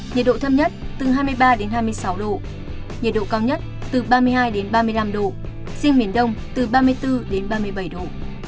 nhiệt độ thấp nhất từ hai mươi ba đến hai mươi sáu độ nhiệt độ cao nhất từ ba mươi hai ba mươi năm độ riêng miền đông từ ba mươi bốn đến ba mươi bảy độ